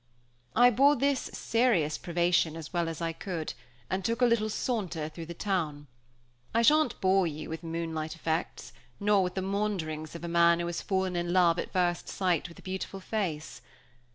I bore this serious privation as well as I could, and took a little saunter through the town. I shan't bore you with moonlight effects, nor with the maunderings of a man who has fallen in love at first sight with a beautiful face.